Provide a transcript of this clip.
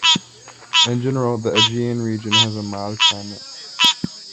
In general the Aegean region has a mild climate.